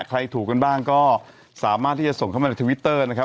ใครถูกกันบ้างก็สามารถที่จะส่งเข้ามาในทวิตเตอร์นะครับ